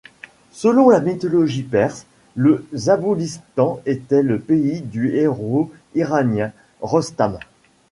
Selon la mythologie perse, le Zaboulistan était le pays du héros iranien Rostam.